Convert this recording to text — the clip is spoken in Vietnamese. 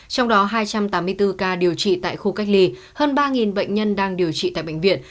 trong đó hai trăm tám mươi bốn ca điều trị tại khu cách ly hơn ba bệnh nhân đang điều trị tại bệnh viện